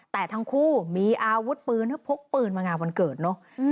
แต่ทั้งคู่มีอาวุธปืนพกปืนมางานวันเกิดเนอะ